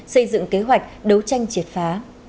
xây dựng kế hoạch đấu tranh triệt phá